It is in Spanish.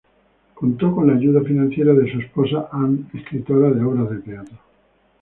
Contó con la ayuda financiera de su esposa, Anne, escritora de obras de teatro.